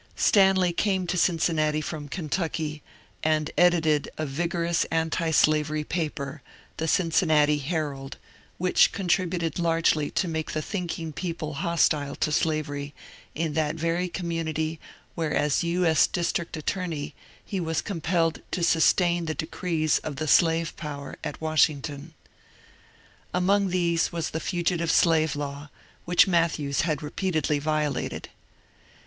Stanley came to Cinoinnati from Kentucky, and edited a vig orous antislavery paper, the Cincinnati ^'Herald," which contributed largely to make the thinking people hostile to slavery in that very community where as U. S. district at torney he was compelled to sustain the decrees of the slave power at Washington. Among these was the Fugitive Slave Law, which Matthews had repeatedly violated.